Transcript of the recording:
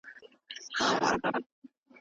هغه په خپلو سترګو کې عینکې کېښودې.